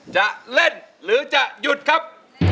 จะเล่นหรือจะหยุดครับ